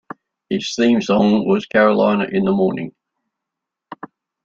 His theme song was Carolina in the Morning.